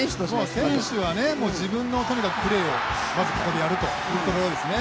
選手は自分のとにかくプレーをまずここでやるということですね。